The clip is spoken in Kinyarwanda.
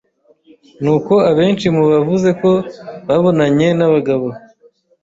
ni uko abenshi mu bavuze ko babonanye n’abagabo